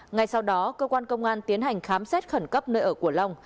ngay sau đó cơ quan công an tiến hành khám xét khẩn cấp nơi ở của long